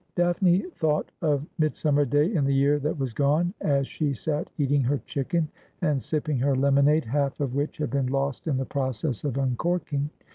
Daphne thought of Mid summer day in the jear that was gone, as she sat eating her chicken and sipping her lemonade, half of which had been lost in the process of uncorking.